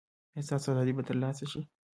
ایا ستاسو ازادي به ترلاسه شي؟